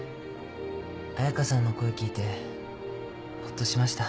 彩佳さんの声聞いてホッとしました。